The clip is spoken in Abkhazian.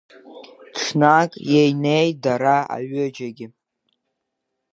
Ҽнак еиниеит дара аҩыџьагьы.